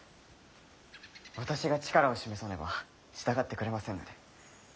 私が力を示さねば従ってくれませんので。